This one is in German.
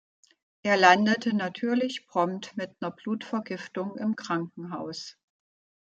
Er landete natürlich prompt mit 'ner Blutvergiftung im Krankenhaus.